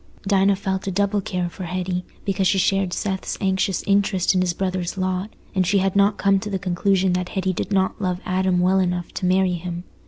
Dinah felt a double care for Hetty, because she shared Seth's anxious interest in his brother's lot, and she had not come to the conclusion that Hetty did not love Adam well enough to marry him.